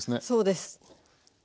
そうです。